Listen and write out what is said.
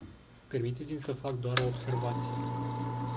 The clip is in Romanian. Permiteți-mi să fac doar o observație.